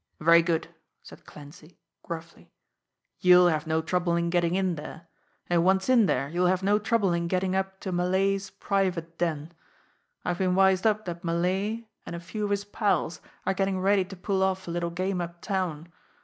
"Very good," said Clancy gruffly. "You'll have no trouble in getting in there. And once in there you'll have no trouble in getting up to Malay's private den. I've been wised up that Malay and a few of his pals are getting ready to pull off a little game uptown.